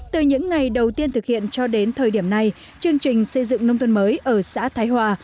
từ những ngày đầu tiên thực hiện cho đến thời điểm này chương trình xây dựng nông thôn mới ở xã thái hòa